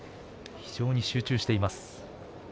非常に集中しています。